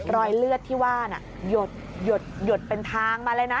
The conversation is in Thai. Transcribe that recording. รอยเลือดที่ว่าน่ะหยดเป็นทางมาเลยนะ